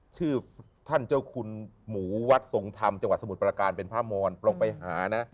ชื่อท่านเจ้าคุณหมูวัดทรงธรรมจังหวัดสมุทรประการเป็นพระมรลองไปหานะ